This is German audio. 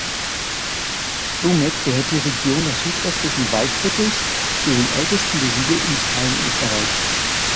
Somit gehört die Region des südwestlichen Waldviertels zu den ältesten besiedelten Teilen Österreichs.